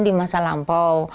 di masa lampau